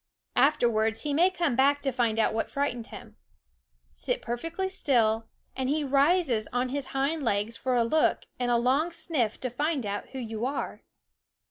Afterwards he may come back to find out what frightened him. Sit perfectly still, and he rises on his hind legs for a look and a long sniff to find out who you are.